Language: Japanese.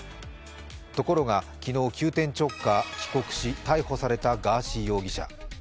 ところが昨日、急転直下、帰国し、逮捕されたガーシー容疑者。